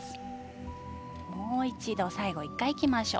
もう一度、最後１回いきます。